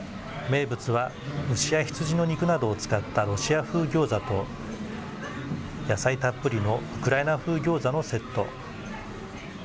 名物は牛や羊の肉などを使ったロシア風ギョーザと、野菜たっぷりのウクライナ風ギョーザのセット。